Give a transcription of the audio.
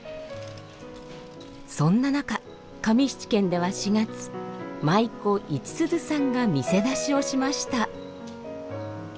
そんな中上七軒では４月舞妓市すずさんが「見世出し」をしました。